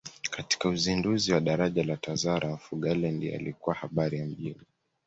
Katika uzinduzi wa daraja la Tazara Mfugale ndiye alikuwa habari ya mjini